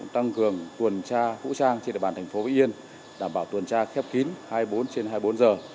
tăng cường tuần tra vũ trang trên địa bàn thành phố vĩnh yên đảm bảo tuần tra khép kín hai mươi bốn trên hai mươi bốn giờ